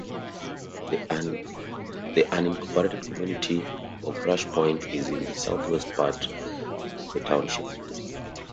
The unincorporated community of Rush Point is in the southwest part of the township.